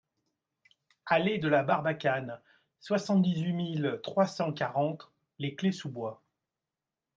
Allée de la Barbacane, soixante-dix-huit mille trois cent quarante Les Clayes-sous-Bois